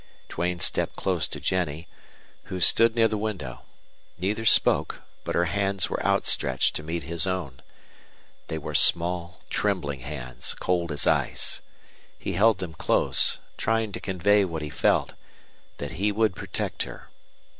Duane stepped close to Jennie, who stood near the window. Neither spoke, but her hands were outstretched to meet his own. They were small, trembling hands, cold as ice. He held them close, trying to convey what he felt that he would protect her.